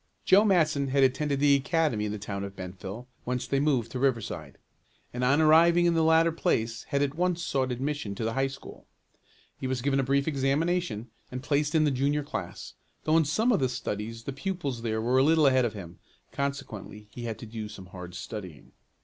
Joe Matson had attended the academy in the town of Bentville whence they moved to Riverside, and on arriving in the latter place had at once sought admission to the high school. He was given a brief examination, and placed in the junior class, though in some of the studies the pupils there were a little ahead of him, consequently he had to do some hard studying.